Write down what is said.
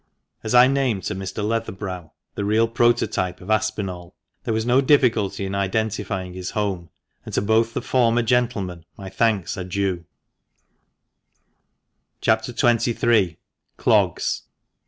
As I named to Mr. Letherbrow the real prototype of Aspinall, there was no difficulty in identifying his home, and to both the former gentlemen my thanks are clue. CHAP. XXIII — CLOGS.